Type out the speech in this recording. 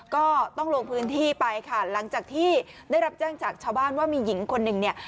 ก็ต้องลงพื้นที่ไปค่ะหลังจากที่ได้รับแจ้งจากชาวบ้านว่ามีหญิงคนหนึ่งเนี่ย